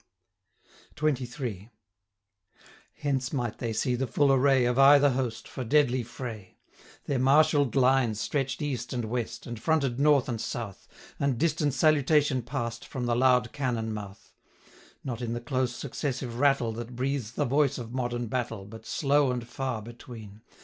680 XXIII. Hence might they see the full array Of either host, for deadly fray; Their marshall'd lines stretch'd east and west, And fronted north and south, And distant salutation pass'd 685 From the loud cannon mouth; Not in the close successive rattle, That breathes the voice of modern battle, But slow and far between.